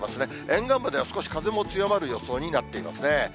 沿岸部では少し風も強まる予想になっていますね。